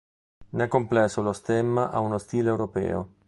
Nel complesso lo stemma ha uno stile europeo.